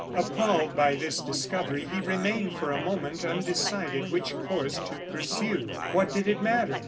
Appalled by this discovery, he remained for a moment undecided which course to pursue. What did it matter?